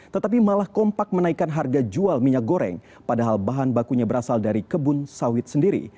tetapi malah kompak menaikkan harga jual minyak goreng padahal bahan bakunya berasal dari kebun sawit sendiri